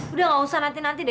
udah gak usah nanti nanti deh